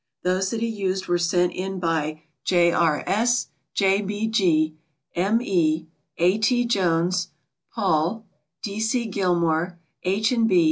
Those that he used were sent in by J. R. S., J. B. G., M. E., A. T. Jones, Paul, D. C. Gilmore, H. and B.